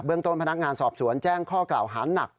ต้นพนักงานสอบสวนแจ้งข้อกล่าวหานัก